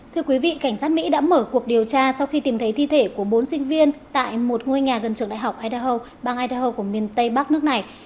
thưa quý vị cảnh sát mỹ đã mở cuộc điều tra sau khi tìm thấy thi thể của bốn sinh viên tại một ngôi nhà gần trường đại học hedahaw bang idaho của miền tây bắc nước này